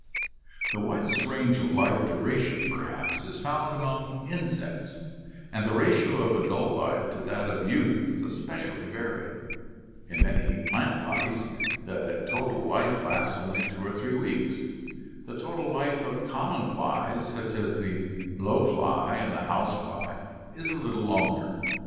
The widest range of life duration, perhaps, is found among insects, and the ratio of adult life to that of youth is especially varied. In many plant lice the total life lasts only two or three weeks. "The total life of common flies such as the blow fly and the house fly is a little longer.